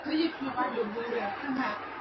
坐在家中的电脑前